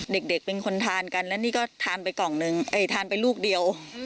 เด็กเป็นคนทานกันแล้วนี่ก็ทานไปลูกเดียว